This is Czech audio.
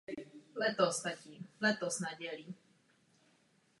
Díky úsilí francouzského předsednictví jsme dosáhli nezbytných kompromisů.